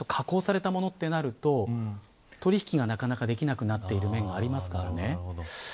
あと、加工されたものとなると取り引きが、なかなかできなくなっている面がありますからね。